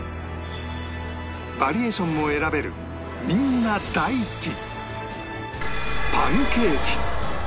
バリエーションも選べるみんな大好き